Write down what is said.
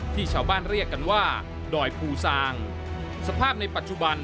ที่ชาวบ้านเรียกกันว่าดอยภูซางสภาพในปัจจุบัน